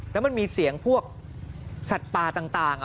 แล้วมันมีเสียงพวกสัตว์ป่าต่าง